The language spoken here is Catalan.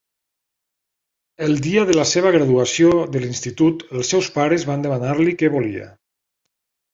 El dia de la seva graduació de l'Institut els seus pares van demanar-li què volia.